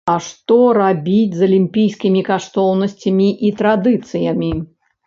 А што рабіць з алімпійскімі каштоўнасцямі і традыцыямі?